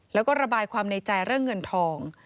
แล้วก็ระบายความในใจเรื่องเงินทอง